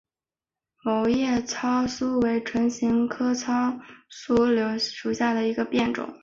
卵叶糙苏为唇形科糙苏属下的一个变种。